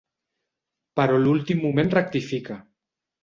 Però a l'últim moment rectifica.